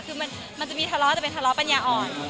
คือมันจะมีทะเลาะแต่เป็นทะเลาะปัญญาอ่อน